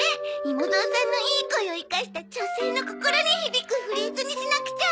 井茂三さんのいい声を生かした女性の心に響くフレーズにしなくちゃ。